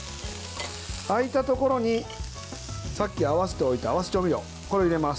空いたところにさっき合わせておいた合わせ調味料を入れます。